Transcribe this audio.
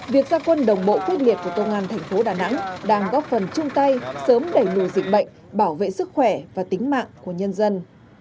việc gia quân đồng bộ quyết liệt của công an thành phố đà nẵng đang góp phần chung tay sớm đẩy lùi dịch bệnh bảo vệ sức khỏe và tính mạng của nhân dân